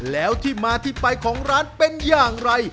แล้วที่มาที่ไปของร้านเป็นอย่างไร